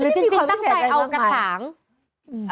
หรือจริงตั้งใจเอากระถางมีความพิเศษใดบ้างไหม